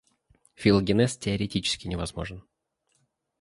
Филогенез теоретически возможен.